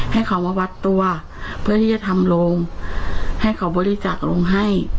ให้เขามาวัดตัวเพื่อที่จะทำโรงให้เขาบริจาคโรงให้